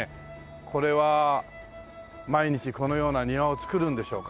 これは毎日このような庭を造るんでしょうか？